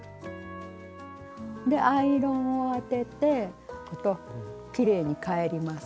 アイロンをあててきれいに返ります。